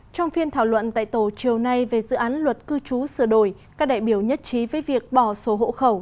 trong phiên thảo luận tại tổ chiều nay về dự án luật cư trú sửa đổi các đại biểu nhất trí với việc bỏ số hộ khẩu